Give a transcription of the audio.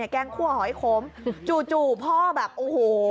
แกงคั่วหอยขมจู่พ่อแบบโอ้โห